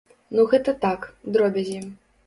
Ну гэта так, дробязі.